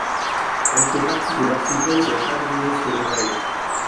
Elle fait partie de l'archipel de Jardines del Rey.